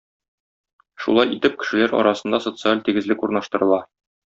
Шулай итеп, кешеләр арасында социаль тигезлек урнаштырыла.